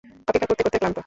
অপেক্ষা করতে করতে ক্লান্ত।